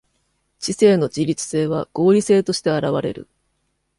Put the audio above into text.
知性の自律性は合理性として現われる。